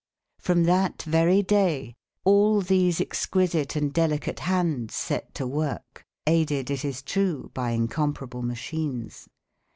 From that very day all these exquisite and delicate hands set to work, aided, it is true, by incomparable machines.